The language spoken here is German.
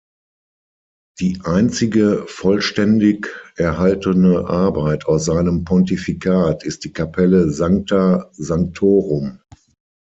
Die einzige vollständig erhaltene Arbeit aus seinem Pontifikat ist die Kapelle Sancta Sanctorum.